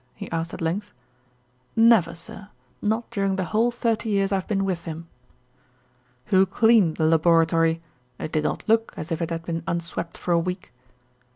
he asked at length. "Never, sir, not during the whole thirty years I've been with him." "Who cleaned the laboratory? It did not look as if it had been unswept for a week."